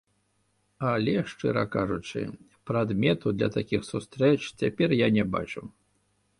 Але, шчыра кажучы, прадмету для такіх сустрэч цяпер я не бачу.